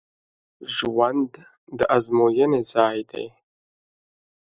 ژوند د ازموینې ځای دی